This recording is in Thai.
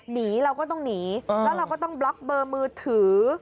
หนีเราก็ต้องหนีแล้วเราก็ต้องบล็อกเบอร์มือถือ